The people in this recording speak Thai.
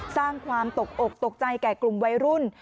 สร้างความตกอกตกใจแก่กลุ่มวัยรุ่น